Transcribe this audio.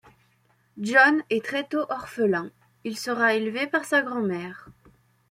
John est très tôt orphelin, il sera élevé par sa grand-mère.